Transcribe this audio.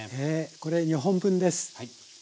これ２本分です。